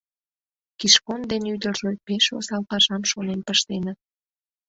Кишкон ден ӱдыржӧ пеш осал пашам шонен пыштеныт.